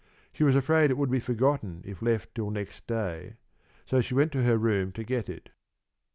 She was afraid it would be forgotten if left till next day, so she went to her room to get it.